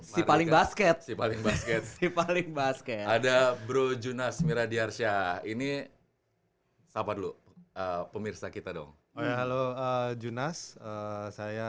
si paling basket ada bro junas miradiarsyah ini siapa dulu pemirsa kita dong halo junas saya